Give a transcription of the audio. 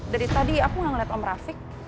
dari tadi aku gak ngeliat om raffic